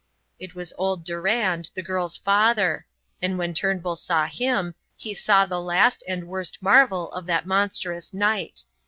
It was old Durand, the girls' father; and when Turnbull saw him he saw the last and worst marvel of that monstrous night.